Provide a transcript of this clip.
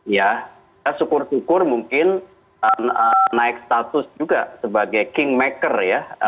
ya kita syukur syukur mungkin naik status juga sebagai kingmaker ya